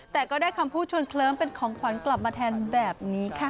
แต่ก็ได้คำพูดชวนเคลิ้มเป็นของขวัญกลับมาแทนแบบนี้ค่ะ